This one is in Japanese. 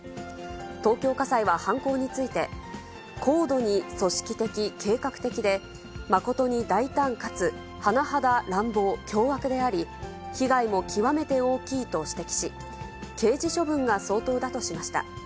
東京家裁は犯行について、高度に組織的、計画的で、誠に大胆かつ、はなはだ乱暴、凶悪であり、被害も極めて大きいと指摘し、刑事処分が相当だとしました。